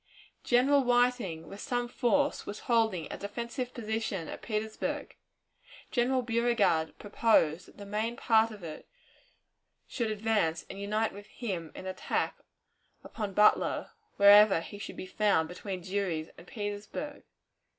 General Whiting, with some force, was holding a defensive position at Petersburg. General Beauregard proposed that the main part of it should advance and unite with him in an attack upon Butler wherever he should be found between Drury's and Petersburg.